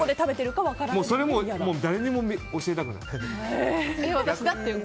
それも誰にも教えたくない。